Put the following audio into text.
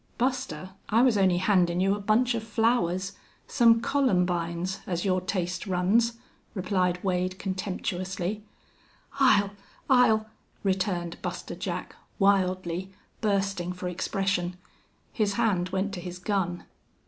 "Buster, I was only handin' you a bunch of flowers some columbines, as your taste runs," replied Wade, contemptuously. "I'll I'll " returned Buster Jack, wildly, bursting for expression. His hand went to his gun.